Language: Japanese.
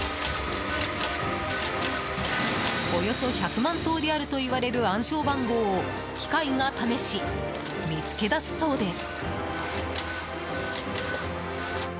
およそ１００万通りあるといわれる暗証番号を機械が試し見つけ出すそうです。